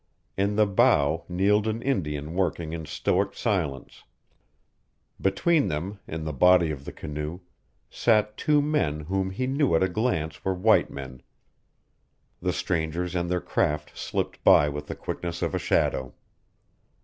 In the bow kneeled an Indian working in stoic silence. Between them, in the body of the canoe, sat two men whom he knew at a glance were white men. The strangers and their craft slipped by with the quickness of a shadow.